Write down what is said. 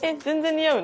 似合う？